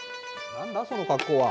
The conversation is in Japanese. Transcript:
何だその格好は？